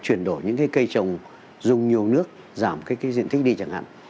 chuyển đổi những cây trồng dùng nhiều nước giảm diện tích đi chẳng hạn